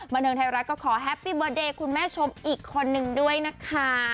บันเทิงไทยรัฐก็ขอแฮปปี้เบอร์เดย์คุณแม่ชมอีกคนนึงด้วยนะคะ